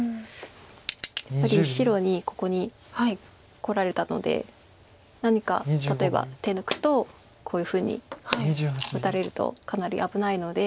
やっぱり白にここにこられたので何か例えば手抜くとこういうふうに打たれるとかなり危ないので。